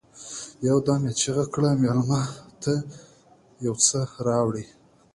يودم يې چيغه کړه: مېلمه ته يو څه راوړئ!